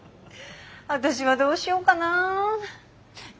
私はどうしようかなあ。